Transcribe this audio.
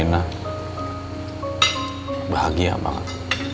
segerapahoku juga semeneng banget